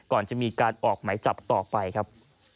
ก่อนจะมีการออกไหมจับต่อไปครับ